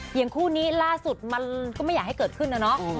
อย่างคู่นี้ล่าสุดมันก็ไม่อยากให้เกิดขึ้นนะเนาะ